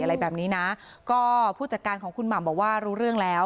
อะไรแบบนี้นะก็ผู้จัดการของคุณหม่ำบอกว่ารู้เรื่องแล้ว